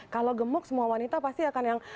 kalau gemuk semua wanita pasti akan yang